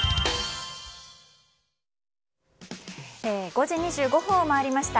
５時２５分を回りました。